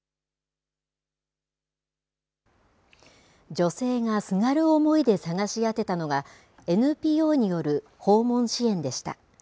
女性がすがる思いで探し当てたのがＮＰＯによる訪問支援でした。